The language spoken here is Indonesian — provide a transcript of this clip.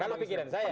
kalau pikiran saya